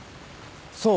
そう。